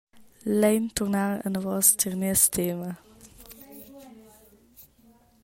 Lein turnar anavos tier nies tema.